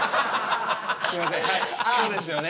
すいませんはいそうですよね。